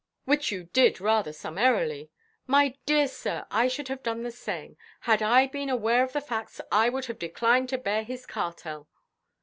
"Which you did rather summarily. My dear sir, I should have done the same. Had I been aware of these facts, I would have declined to bear his cartel.